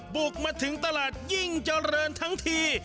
บุกมาถึงตลาดยิ่งเจริญทั้งที